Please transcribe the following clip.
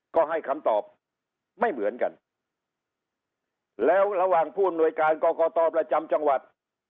ก็ให้คำตอบไม่เหมือนกันแล้วระหว่างผู้อำนวยการกรกตประจำจังหวัด